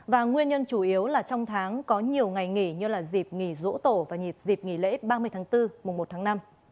và nguyên nhân chủ yếu là trong tháng có nhiều ngày nghỉ như dịp nghỉ rỗ tổ và dịp nghỉ lễ ba mươi tháng bốn mùa một tháng năm